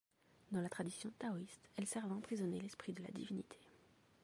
Dans la tradition taoïste, elles servent à emprisonner l'esprit de la divinité.